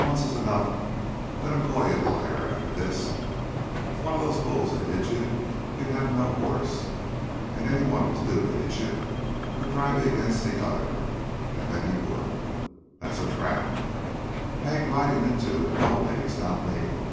"Once is enough. Let 'em call ye a liar atter this! Ef ary one o' them bulls had hit ye ye'd have had no hoss; an' ary one was due to hit ye, or drive ye against the other, an' then he would. That's a trap I hain't ridin' inter noways, not me!"